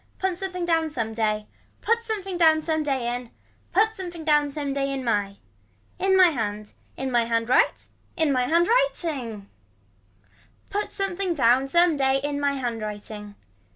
Put something down some day. Put something down some day in. Put something down some day in my. In my hand. In my hand right. In my hand writing. Put something down some day in my hand writing.